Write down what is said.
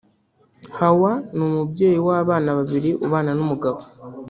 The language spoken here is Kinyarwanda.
Hawa ni umubyeyi w’abana babiri ubana n’umugabo